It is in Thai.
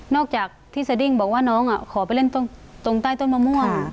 จากที่สดิ้งบอกว่าน้องขอไปเล่นตรงใต้ต้นมะม่วง